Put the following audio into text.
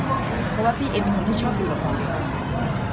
เพราะว่าพี่เอ็มเป็นคนที่ชอบดูละครเวที